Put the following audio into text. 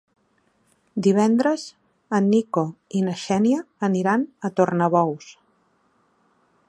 Divendres en Nico i na Xènia aniran a Tornabous.